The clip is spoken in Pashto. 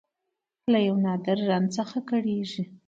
له یو نادر رنځ څخه کړېږي